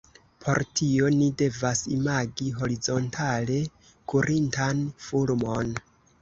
Por tio ni devas imagi horizontale kurintan fulmon.